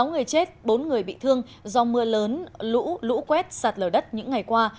sáu người chết bốn người bị thương do mưa lớn lũ lũ quét sạt lở đất những ngày qua